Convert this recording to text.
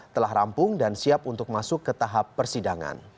telah rampung dan siap untuk masuk ke tahap persidangan